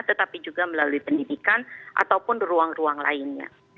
tetapi juga melalui pendidikan ataupun ruang ruang lainnya